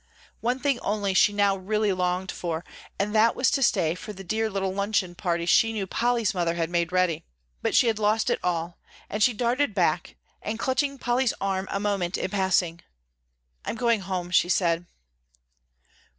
One thing only she now really longed for, and that was to stay for the dear little luncheon party she knew Polly's mother had made ready. But she had lost it all; and she darted back and, clutching Polly's arm a moment in passing, "I'm going home," she said.